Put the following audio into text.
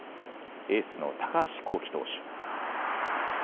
エースの高橋煌稀投手。